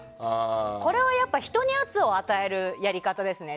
これはやっぱり人に圧を与えるやり方ですね。